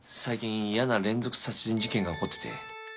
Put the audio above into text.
最近嫌な連続殺人事件が起こってて。